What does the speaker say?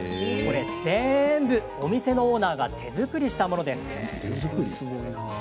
全部お店のオーナーが手作りしたものです。